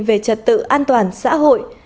về trật tự an toàn xã hội